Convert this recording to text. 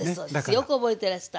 よく覚えてらした。